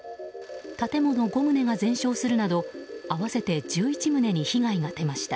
建物５棟が全焼するなど合わせて１１棟に被害が出ました。